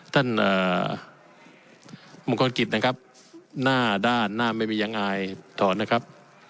ท่านมงคลกิจนะครับหน้าด้านหน้าไม่มียังไงถอนนะครับ